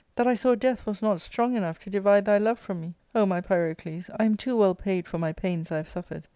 That I saw death was not strong enough to divide thy love from me ! O my Pyrocles, I am too well paid for my pains I have suffered.